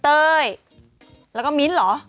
เต้ยแล้วก็มิ้นท์เหรอ